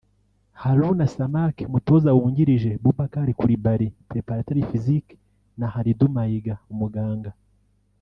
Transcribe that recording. Harouna Samake (Umutoza wungirije) Boubacar Coulibary (Préparateur physique) na Halidou Maiga (Umuganga)